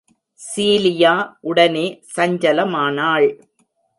Cilia உடனே சஞ்சலமானாள்.